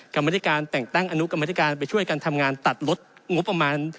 กรรมธิการแต่งตั้งอนุกรรมธิการไปช่วยกันทำงานตัดลดงบประมาณ